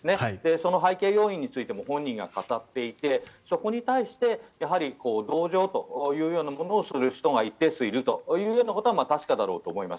その背景要因についても本人が語っていてそこに対して同情というものをする人が一定数いるということは確かだろうと思います。